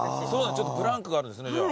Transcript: ちょっとブランクがあるんですねじゃあ。